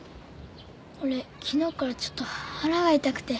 俺昨日からちょっと腹が痛くて。